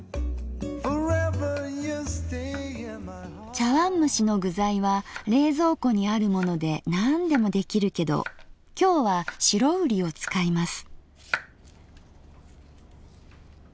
茶わんむしの具材は冷蔵庫にあるものでなんでも出来るけど今日は白瓜を使います。